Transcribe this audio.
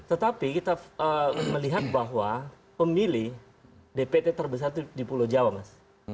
tetapi kita melihat bahwa pemilih dpt terbesar itu di pulau jawa mas